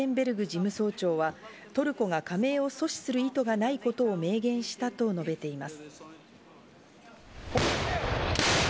事務総長は、トルコが加盟を阻止する意図がないことを明言したと述べています。